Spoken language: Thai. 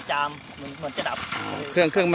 จากประกอบไม่ได้ยกด้วยสิ่งปริศนา